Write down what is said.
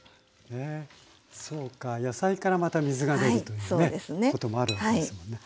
そうか野菜からまた水が出るというねこともあるわけですよね。